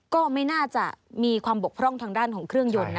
ก็ไม่น่าจะมีความบกพร่องทางด้านของเครื่องยนต์นะ